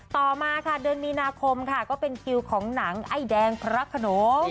ต่อมาเดือนมีนาคมก็เป็นคิวของหนังไอ้แดงพระรักษณ์